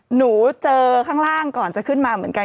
หนูเจอข้างล่างก่อนจะขึ้นมาเหมือนกัน